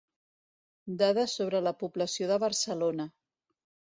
Dades sobre la població de Barcelona.